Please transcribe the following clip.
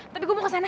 tapi gue mau ke sana